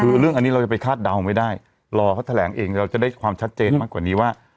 คือเรื่องอันนี้เราจะไปคาดเดาไม่ได้รอเขาแถลงเองเราจะได้ความชัดเจนมากกว่านี้ว่า